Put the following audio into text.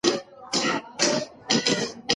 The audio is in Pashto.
نړیوال هم د اقلیم بدلون ته اندېښمن دي.